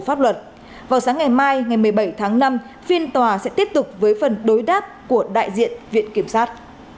pháp luật vào sáng ngày mai ngày một mươi bảy tháng năm phiên tòa sẽ tiếp tục với phần đối đáp của đại diện viện kiểm sát